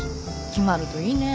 決まるといいね。